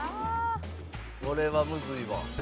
これはむずいわ。